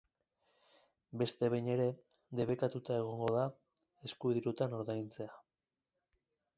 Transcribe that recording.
Beste behin ere, debekatuta egongo da eskudirutan ordaintzea.